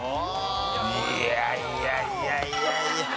いやいやいやいやいや。